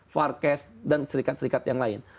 farkes dan serikat serikat yang lain